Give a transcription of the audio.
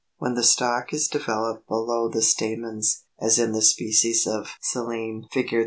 When the stalk is developed below the stamens, as in most species of Silene (Fig.